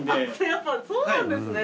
やっぱそうなんですね。